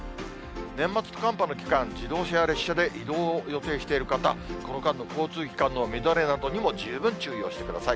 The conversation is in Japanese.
年末寒波の期間、自動車や列車で移動を予定している方、この間の交通機関の乱れなどにも十分注意をしてください。